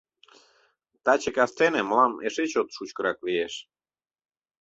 — Таче кастене мылам эше чот шучкырак лиеш…